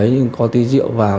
nhưng có tí rượu vào